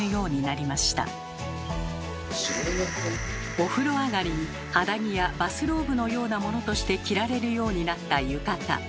お風呂上がりに肌着やバスローブのようなものとして着られるようになった浴衣。